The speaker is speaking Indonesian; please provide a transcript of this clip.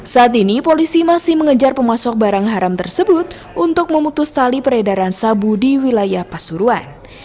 saat ini polisi masih mengejar pemasok barang haram tersebut untuk memutus tali peredaran sabu di wilayah pasuruan